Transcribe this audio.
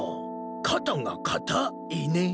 かたがかたいね。